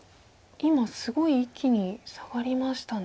今すごい一気に下がりましたね。